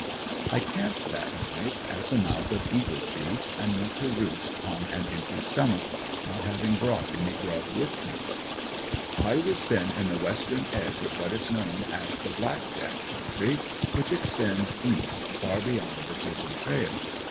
I camped that night at the mouth of Eagle Chief, and went to roost on an empty stomach, not having brought any grub with me. I was then in the western edge of what is known as the Black jack country, which extends east far beyond the Chisholm trail.